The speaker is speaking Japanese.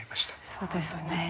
そうですね。